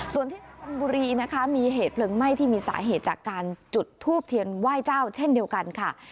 ส่วนที่ชนบุรีนะคะมีเหตุเพลิงไหม้ที่มีสาเหตุจากการจุดทูบเทียนไหว้เจ้าเช่นเดียวกันค่ะ